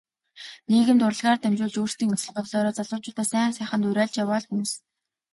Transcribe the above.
Нийгэмд урлагаар дамжуулж өөрсдийн үзэл бодлоороо залуучуудаа сайн сайханд уриалж яваа л хүмүүс.